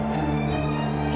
biasanya itu tidak berarti